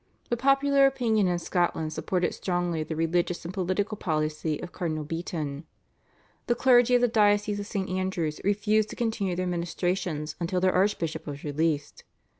But popular opinion in Scotland supported strongly the religious and political policy of Cardinal Beaton. The clergy of the diocese of St. Andrew's refused to continue their ministrations until their archbishop was released.